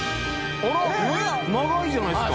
あらっ長いじゃないですか。